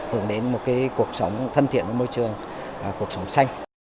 hưởng đến một cuộc sống thân thiện với môi trường cuộc sống xanh